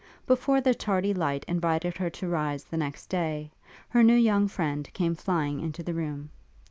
Before the tardy light invited her to rise the next day, her new young friend came flying into the room.